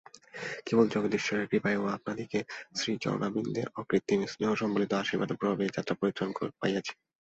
কেবল জগদীশ্বরের কৃপায় ও আপনাদিগের শ্রীচরণারবিন্দের অকৃত্রিমস্নেহসম্বলিত আশীর্বাদ প্রভাবে এ যাত্রা পরিত্রাণ পাইয়াছি।